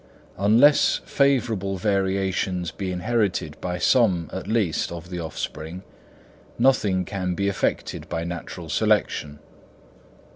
Unless favourable variations be inherited by some at least of the offspring, nothing can be effected by natural selection.